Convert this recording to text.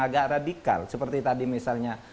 agak radikal seperti tadi misalnya